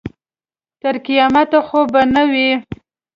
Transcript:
تر قیامته خو به نه وي.